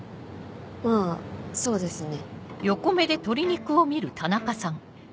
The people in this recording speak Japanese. まぁそうですね。